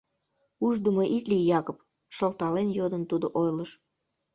— Ушдымо ит лий, Якоб! — шылтален-йодын тудо ойлыш.